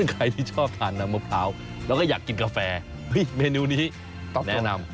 ใครที่ชอบทานน้ำมะพร้าวแล้วก็อยากกินกาแฟเมนูนี้ต้องแนะนำ